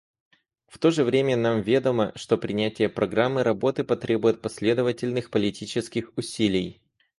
В то же время нам ведомо, что принятие программы работы потребует последовательных политических усилий.